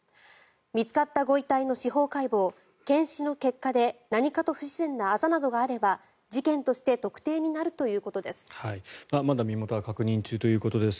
見つかったご遺体の司法解剖検視の結果で何かと不自然なあざなどがあれば事件として特定になるということです。